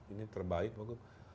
ini terbaik pak gu